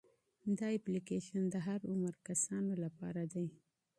دا اپلیکیشن د هر عمر کسانو لپاره دی.